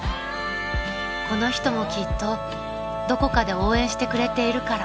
［この人もきっとどこかで応援してくれているから］